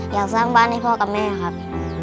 อยากสร้างบ้านให้พ่อกับแม่ครับ